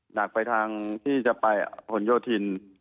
หนักไปทางที่จะไปผลโยธิน